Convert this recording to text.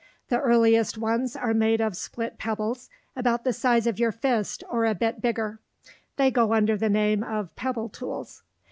The earliest ones are made of split pebbles, about the size of your fist or a bit bigger. They go under the name of pebble tools.